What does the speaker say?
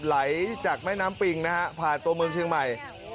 ไหลจากแม่น้ำปิงนะฮะผ่านตัวเมืองเชียงใหม่